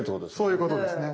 そういうことですね。